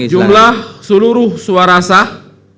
jumlah seluruh suara sah